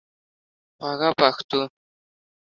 خوږه پښتو